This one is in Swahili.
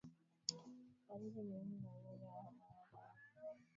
Dalili muhimu za ugonjwa wa homa ya mapafu